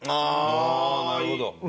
ああなるほど。